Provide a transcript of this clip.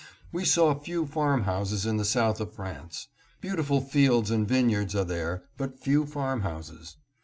We saw few farm houses in the south of France. Beautiful fields and vineyards are there, but few farm houses.